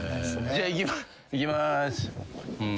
じゃあいきまーす。